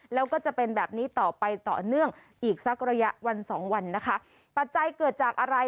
แล้วก็จะเป็นแบบนี้ต่อไปต่อเนื่องอีกสักระยะวันสองวันนะคะปัจจัยเกิดจากอะไร